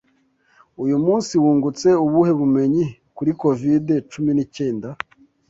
Uyu munsi wungutse ubuhe bumenyi kuri covid cumi n'icyenda?